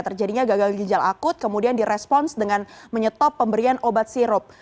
terjadinya gagal ginjal akut kemudian direspons dengan menyetop pemberian obat sirup